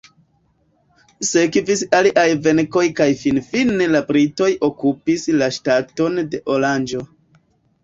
Sekvis aliaj venkoj kaj finfine la britoj okupis la ŝtaton de Oranĝo.